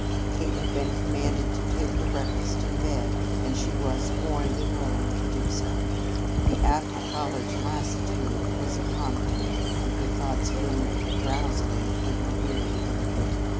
Kate had been commanded to take her breakfast in bed and she was more than willing to do so. The after college lassitude was upon her and her thoughts moved drowsily through her weary brain.